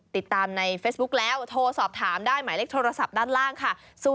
ติดตามในเฟซบุ๊คแล้วโทรสอบถามได้หมายเลขโทรศัพท์ด้านล่างค่ะ